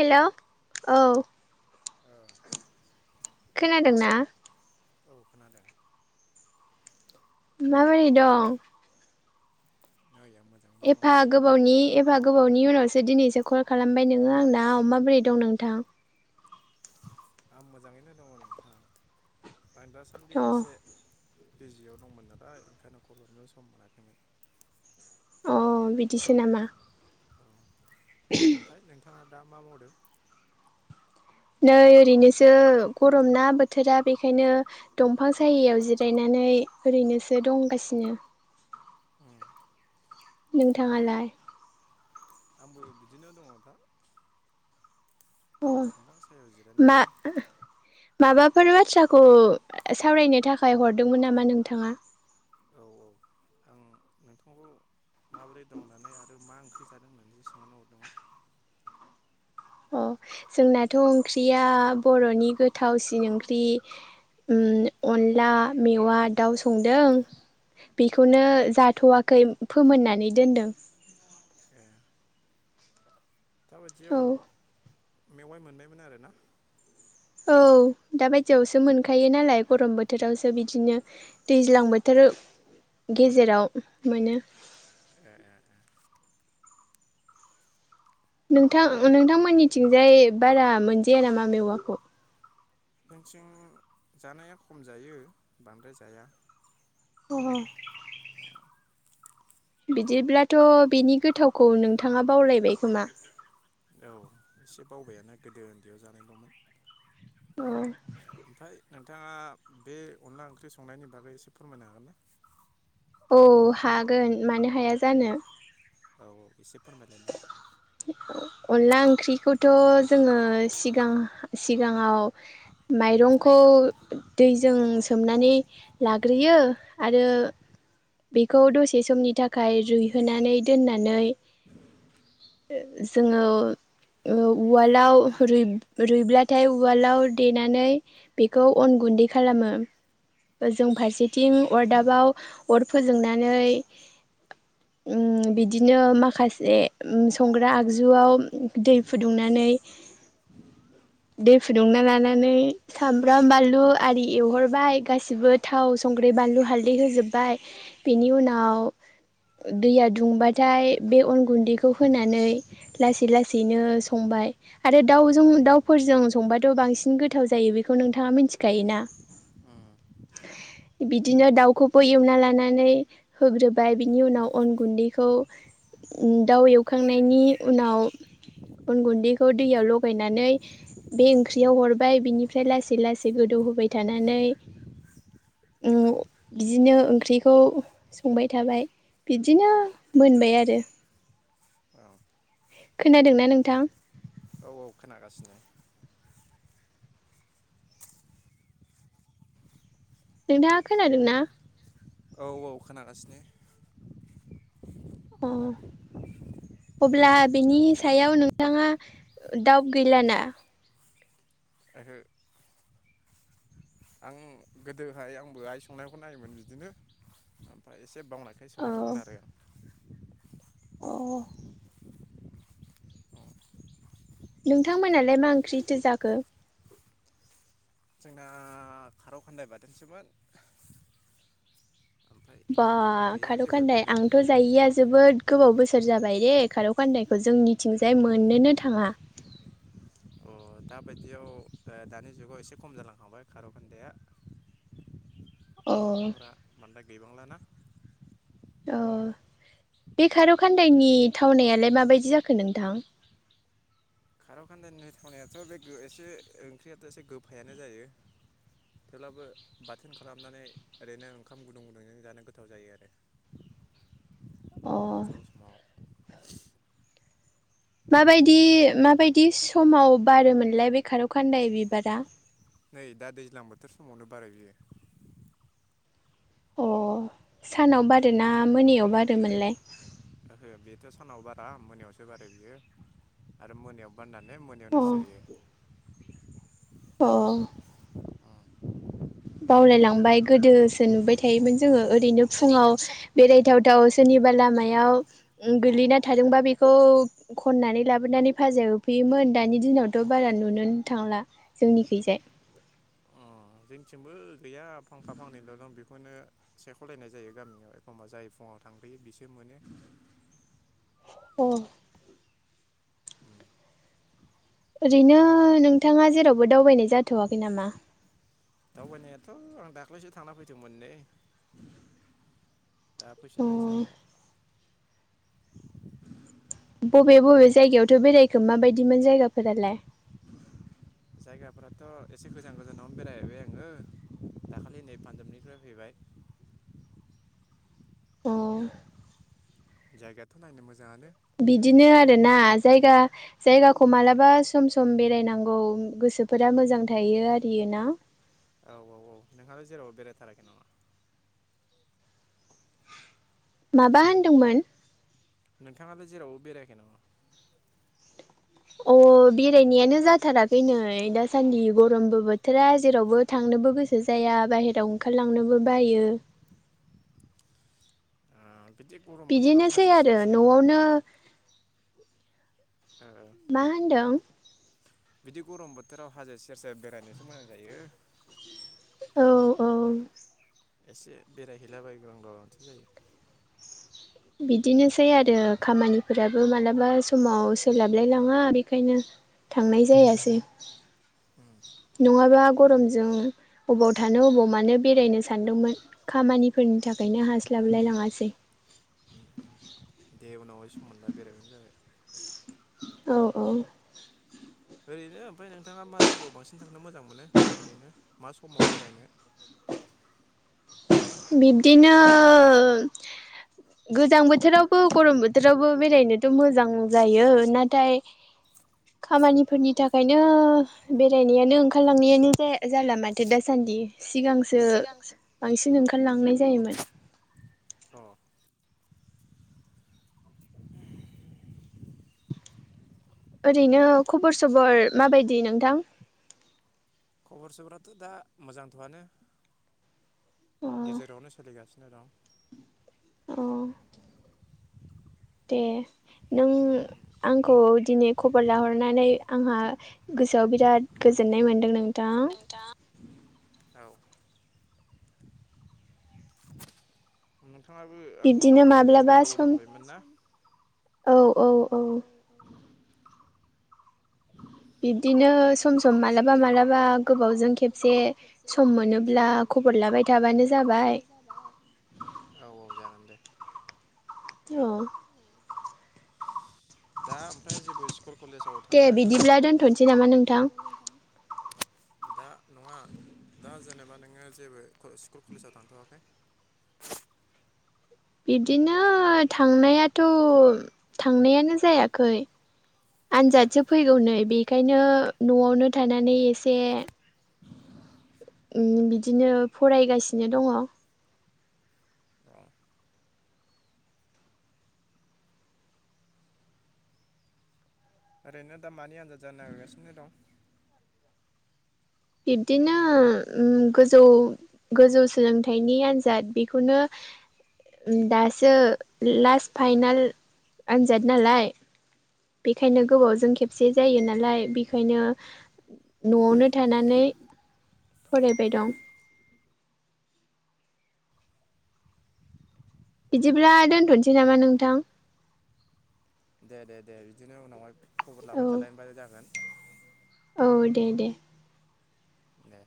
हेल' hello औ। ओ खोनादोंना? [inaudible] माबोरै दं? नै आं मोजाङैनो एफा दङ गोबावनि एफा गोबाव गोबावनि उनावसो दिनैसो कल खालामबाय नोङो आंनाव माबोरै दं नोंथां? [inaudible] [inaudible] अ बिजियाव दंमोन नालाय ओंखायनो खल'नो सम मोनाखैमोन अ बिदिसो नामा? [unintelligible] बिथा दा मा मावदो? नै ओरैनोसो गरम ना बोथोरा बेखायनो दंफां साययाव जिरायनानै ओरैनोसो दंगासिनो। उम ओमफ्राय नोंथाङालाय? आंबो बिदिनो दङ दा। अ दंफां सायायाव मा जिरायनानैनो। माबाफोर बाथ्राखौ सावरायनो थाखाय हरदोंमोन नामा नोंथाङा? औ औ आं नोंथांखौ माबोरै दं लानाय आरो मा ओंख्रै फि जादों होननानैसो सोंहरना हरदोंमोन अ जोंनाथ' ओंख्रिया बर'नि गोथावसिन ओंख्रि ओ अनला मेवा दाउ संदों बेखौनो जाथ'वाखै फोमोननानै दोनदों दा औ बायदियाव मेवाइ मोननायमोन आरोना औ दा बायदियावसो मोनखायो नालाय गरम बोथोरावसो बिदिनो दैज्लां बोथोर गेजेराव मोनो। ए ए ए नोंथां नोंथांमोननिथिंजाय बारा मोनजाया नामा मेवाखौ? जोंथिं जानाया खम जायो बांद्राय जाया। गबु बिदिब्लाथ' बिनि गोथावखौ नोंथाङा बावलायबाय खोमा? औ एसे बावबायानो गोदो उन्दैयाव जानायल'मोन उम ओमफ्राय नोंथाङा बे अनला ओंख्रि संनायनि बागै एसे फोरमायनो हागोन ना? औ हागोन मानो हाया जानो। औ औ एसे फोरमायलायनाय अनला ओंख्रिखौथ' जोङो सिगां सिगाङाव माइरंखौ दैजों सोमनानै लाग्रोयो आरो बेखौ दसे समनि थाखाय रुइहोनानै दोननानै जोङो ओ उवालाव रुइ रुइब्लाथाय उवालाव देनानै बेखौ अन गुन्दै खालामो जों फारसेथिं उम अरदाबाव अर फोजोंनानै ओम बिदिनो माखासे जे उम संग्रा आगजुआव दै फुदुंनानै दै फुदुंना लानानै सामब्राम बानलु आरि एवहरबाय गासिबो थाव संग्रै बानलु हालदै होजोब्बाय बेनि उनाव दैया दुंबाथाय बे अन गुन्दैखौ होनानै लासै लासैनो संबाय आरो दाउजों दाउफोरजों संबाथ' बांसिन गोथाव जायो बेखौ नोंथाङा मिथिखायोना, उम बिदिनो दाउखौबो एवना लानानै होग्रोबाय बिनि उनाव अन गुन्दैखौ उम दाउ एवखांनायनि उनाव अन गुन्दैखौ दैयाव लगायनानै बे ओंख्रियाव हरबाय बिनिफ्राय लासै लासै गोदौ होबाय थानानै उम बिदिनो ओंख्रिखौ संबाय थाबाय बिदिनो मोनबाय आरो। औ खोनादोंना नों? थां औ औ खोनागासिनो। नोंथाङा खोनादोंना? औ औ खोनागासिनो। अ अब्ला बिनि सायाव नोंथाङा दाउट गैलाना? ओहो आं गोदोहाय आंबो आइ संनायखौ नायोमोन बिदिनो ओमफ्राय एसे एसे बावनायखाय सोंहरदोंमोन आरो। औ आं नोंथांमोनालाय मा ओंख्रिथो जाखो? जोंना खारौ खानदाय बाथोनसोमोन। ओमफ्राय बा गैया जेबो खारंखान्दाय बेनो आंथ जायिया जोबोद गोबाव बोसोर जाबाय दे खारौ खान्दायखौ जोंनिथिंजाय मोननोनो थाङा। अ दा बायदियाव दानि जुगाव एसे खम जालांखांबाय खारंखोनदाया। अ बिफांफोरा बांद्राय गैबांलाना। अ बे खारौ खान्दायनि थावनायालाय माबायदि जाखो नोंथां? खारौ खान्दनायथावनायाथ बे एसे ओंख्रियाथ' एसे गोफायानो जायो थेवब्लाबो बाथोन खालामनानै ओरैनो ओंखाम गुदुं गुदुंजों जानो गोथाव जायो आरो। अ फुं समाव माबायदि माबायदि समाव बारोमोनलाय बे खारौ खान्दाय बिबारा? नै दा दैज्लां बोथोर समावनो बारो बियो। अ सानाव बारोना मोनायाव बारोमोनलाय? हो बेथ' सानाव बारा मोनायावसो बारो बियो आरो मोनायाव बारनानै मोनायावनो अ सिरियो। अ बावलायलांबाय गोदोसो नुबाय थायोमोन जोङो ओरैनो फुङाव बेराय गोथाव थाव सोरनिबा लामायाव गोग्लैना थादोंबा बेखौ खननानै लाबोनानै भाजा एवफैयोमोन दानि दिनावथ' बारा नुनोनो थांला जोंनिखैजाय। जोंनिथिंबो गैया फांखा फांनैल दं बेखौनो सेख'लायनाय जायो गामियाव एखमबा जाय फुङाव थांग्रोयो बिसो मोनो। अ ओरैनो नोंथाङा जेरावबो दावबायनाय जाथ'वाखै नामा? दावबायनायाथ' आं दाख्लैसो थांना फैदोंमोन नै दा अ फैफिनबायसो आं नआव। [inaudible] बबे बबे जायगायावथो बेरायखो माबायदिमोन जायगाफोरालाय? जायगाफोराथ' एसे गोजान गोजानावनो बेरायहैबाय आङो दाखालि नै पान्जाबनिफ्राय फैबाय अ जायगायाथ नायनो मोज बिदिनो आरोना जायगा जायगाखौ मालाबा सम सम बेरायनांगौ गोसोफोरा मोजां थायो आरियो ना औ औ औ नोंहालाय जेरावबो बेरायथाराखै नामा? माबा होनदोंमोन? नोंथाङा [unintelligible] जेरावबो बेरायाखै नामा? अ बेरायनायानो जाथाराखै नै दासान्दि गरमबो बोथोरा जेरावबो थांनोबो गोसो जाया बाहेराव ओंखारलांनोबो बायो बिदि गरम बोथोराव बिदिनोसै हाजो सेर आरो सेर ओ न'आवनो मा होनदों? बिदि गरम बोथोराव हाजो सेर सेेर बेरायनोसो मोजां जायो। औ औ एसे बेरायहैलाबाय [unintelligible] माथो जायो बिदिनोसै आरो खामानिफोराबो मालाबा समाव सोलाबलायलाङा बेखायनो थांनाय जायासै उम नङाबा गरमजों अबाव थानो अबाव मानो बेरायनो सानदोंमोन खामानिफोरनि थाखायनो हास्लाबलाय लाङासै। उम उम दे उनावहाय सम मोनबा बेरायबानो जाबाय। औ औ ओरैनो ओमफाय नोंथाङा मा जायगायाव बांसिन थांनो मोजां मोनो ओरैनो मा समाव बेरायनो? बिब्दिनो गोजां बोथोरावबो गरम बोथोरावबो बेरायनोथ' मोजां जायो नाथाय खामानिफोरनि थाखायनो बेरायनायानो ओंखारलांनायानो जाया जाला माथो दासान्दि सिगां सिगांसो बांसिन ओंखारलांनाय जायोमोन। अ ओरैनो खबर सबर माबायदि नोंथां? खबर सबराथ' दा मोजांथ'आनो अ गेजेरावनो सोलिगासिनो दं। अ दे नों आंखौ दिनै खबर लाहरनानै आंहा गोसोआव बिराद गोजोननाय मोनदों नोंथां। औ नोंथाङाबो आंनाव बिब्दिनो कल हरिया माब्लाबा बिराद गोबाव सम जाखाबायमोन ना औ औ [unintelligible] बिब्दिनो सम सम मालाबा मालाबा गोबावजों खेबसे सम मोनोब्ला खबर लाबाय थाबानो जाबाय। औ औ जागोन दे अ दा ओमफ्राय जेबो स्कुल कलेजाव दे थांथाराखै नामा? बिदिब्ला दे दोनथ'नोसै बिदिब्ला नामा दोनथ'नोसै नोंथां नामा नोंथां? दा नङा दा जेनेबा नोङो जेबो क [unintelligible] स्कुल कलेजाव थांथ'वाखै? बिब्दिनो थांनायाथ' थांनायानो जायाखै आनजादसो फैगौ नै बेखायनो न'आवनो थानानै एसे उम बिदिनो फरायगासिनो दङ। औ ओरैनो दा मानि आनजाद जानो नागिरगासिनो दं? बिब्दिनो उम गोजौ गोजौ सोलोंथाइनि आन्जाद बेखौनो दासो लास्ट फाइनाल आनजाद नालाय बेखायनो गोबावजों खेबसे जायो नालाय बेखायनो न'आवनो थानानै फरायबाय दं। बिदिब्ला दोनथ'सै नामा नोंथां? दे दे दे बिदिनो उनावहाय खबर औ लाबाय थालायबा जागोन। औ दे दे। दे